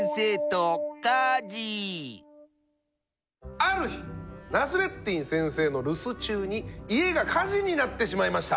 ある日ナスレッディン先生の留守中に家が火事になってしまいました。